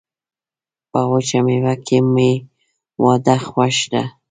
په وچه میوه کي مي واده خوښ ده.